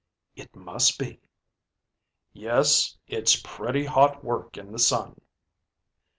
"It must be." "Yes, it's pretty hot work in the sun."